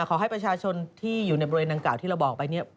ขอให้ประชาชนที่อยู่ในบริเวณดังกล่าวที่เราบอกไปเนี่ย